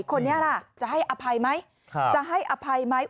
คนนี้ล่ะจะให้อภัยไหมจะให้อภัยไหม